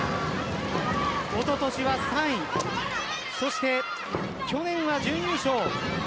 おととしは３位そして、去年は準優勝。